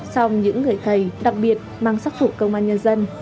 sau những người thầy đặc biệt mang sắc thủ công an nhân dân